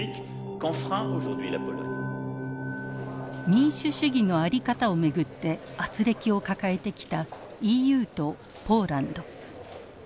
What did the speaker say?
民主主義の在り方を巡って軋轢を抱えてきたＥＵとポーランド。